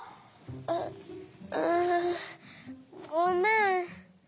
あっうんごめん。